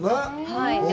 はい。